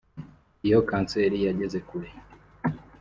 Iyo kanseri yageze kure